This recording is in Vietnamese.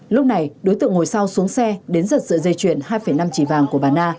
lúc này đối tượng ngồi sau xuống xe đến giật sợi dây chuyền hai năm chỉ vàng của bà na